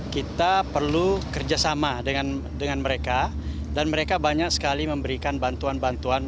kita perlu kerjasama dengan mereka dan mereka banyak sekali memberikan bantuan bantuan